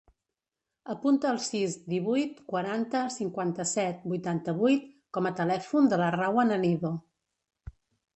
Apunta el sis, divuit, quaranta, cinquanta-set, vuitanta-vuit com a telèfon de la Rawan Anido.